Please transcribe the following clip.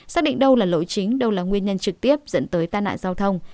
xác định đâu là lỗi chính đâu là nguyên nhân trực tiếp dẫn tới tai nạn giao thông